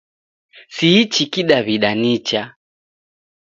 Siichi kidawida nicha